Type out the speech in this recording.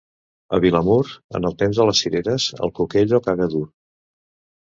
A Vilamur, en el temps de les cireres, el cuquello caga dur.